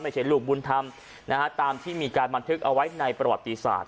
ลูกบุญธรรมนะฮะตามที่มีการบันทึกเอาไว้ในประวัติศาสต